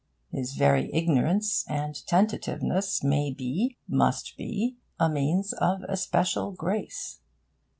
His very ignorance and tentativeness may be, must be, a means of especial grace.